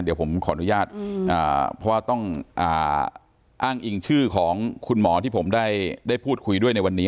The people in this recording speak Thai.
เดี๋ยวผมขออนุญาตเพราะว่าต้องอ้างอิงชื่อของคุณหมอที่ผมได้พูดคุยด้วยในวันนี้